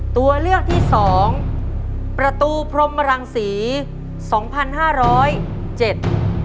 ตัวเลือกที่สองประตูพรมรังศรีสองพันห้าร้อยเจ็ด